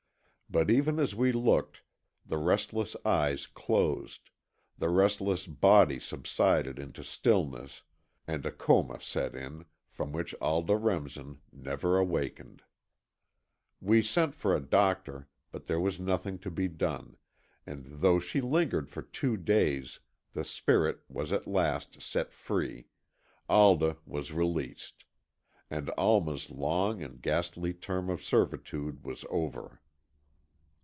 But even as we looked, the restless eyes closed, the restless body subsided into stillness, and a coma set in, from which Alda Remsen never awakened. We sent for a doctor, but there was nothing to be done, and though she lingered for two days, the spirit was at last set free, Alda was released, and Alma's long and ghastly term of servitude was over.